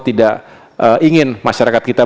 tidak ingin masyarakat kita